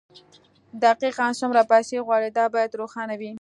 دقيقاً څومره پيسې غواړئ دا بايد روښانه وي.